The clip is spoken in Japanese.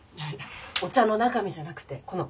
お茶の中身じゃなくてこの缶。